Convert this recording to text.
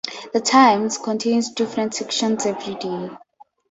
"The Times" contains different sections every day.